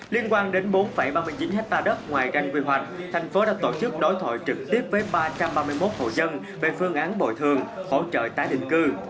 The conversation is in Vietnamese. liên quan đến bốn ba mươi chín hectare đất ngoài ranh quy hoạch thành phố đã tổ chức đối thoại trực tiếp với ba trăm ba mươi một hộ dân về phương án bồi thường hỗ trợ tái định cư